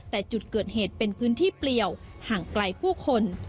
แต่จุดเกิดเหตุเป็นพื้นที่เปลี่ยวห่างไกลผู้คน